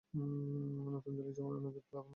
নতুন দিল্লি যমুনা নদীর প্লাবন সমভূমিতে অবস্থিত।